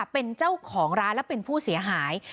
เป็นเจ้าของร้านและเป็นผู้เสียหาย